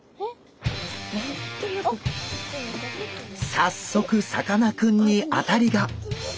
早速さかなクンに当たりが！